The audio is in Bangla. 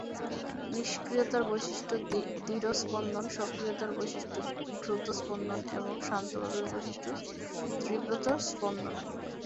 নিষ্ক্রিয়তার বৈশিষ্ট্য ধীর স্পন্দন, সক্রিয়তার বৈশিষ্ট্য দ্রুত স্পন্দন এবং শান্তভাবের বৈশিষ্ট্য তীব্রতর স্পন্দন।